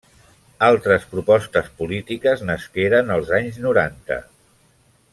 Altres propostes polítiques nasqueren als anys noranta.